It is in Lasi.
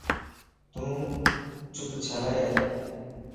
تون چپ ڇيلائين؟